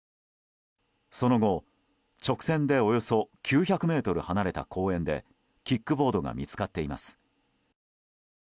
その後、直線でおよそ９００ｍ離れた公園でキックボードが見つかっています。